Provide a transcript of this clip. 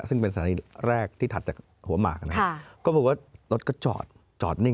ซึ่งปกติไม่เคยปกติก็สวนกันได้ปกติ